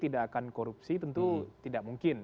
tidak akan korupsi tentu tidak mungkin